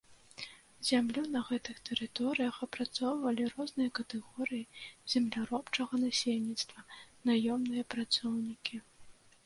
Зямлю на гэтых тэрыторыях апрацоўвалі розныя катэгорыі земляробчага насельніцтва, наёмныя працаўнікі.